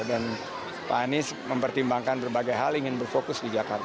dan pak anies mempertimbangkan berbagai hal ingin berfokus di jakarta